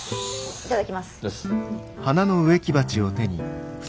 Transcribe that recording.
いただきます。